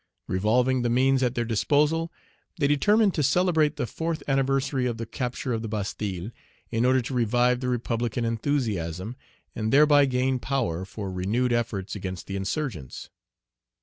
Revolving the means at their disposal, they determined to celebrate the fourth anniversary of the capture of the Bastille, in order to revive the republican enthusiasm, and thereby gain power for renewed efforts against the insurgents.